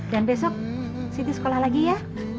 dan besok siti sekolah lagi ya